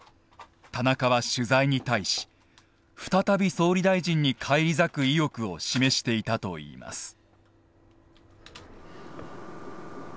田中は取材に対し再び総理大臣に返り咲く意欲を示していたといいます。